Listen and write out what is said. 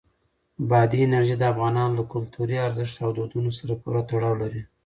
بادي انرژي د افغانانو له کلتوري ارزښتونو او دودونو سره پوره تړاو لري.